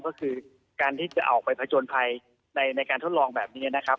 ก็คือการที่จะออกไปผจญภัยในการทดลองแบบนี้นะครับ